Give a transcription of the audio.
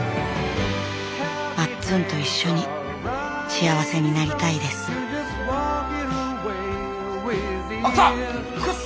まっつんと一緒に幸せになりたいですあっ臭！